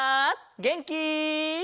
げんき？